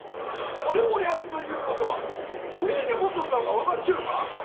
これをやるということはどねぇなことになるか分かっちょるか？